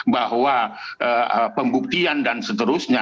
bahwa pembuktian dan seterusnya